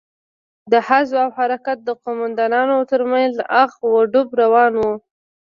د حزب او حرکت د قومندانانو تر منځ اخ و ډب روان و.